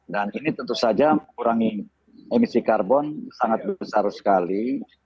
dan ini tentu saja mengurangi emisi karbon sangat besar sekali